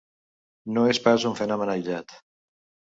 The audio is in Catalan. No és pas un fenomen aïllat.